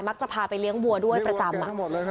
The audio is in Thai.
จะพาไปเลี้ยงวัวด้วยประจำ